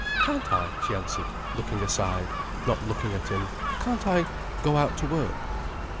"Can't I," she answered, looking aside, not looking at him, "can't I go out to work?"